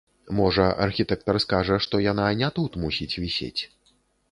Можа, архітэктар скажа, што яна не тут мусіць вісець.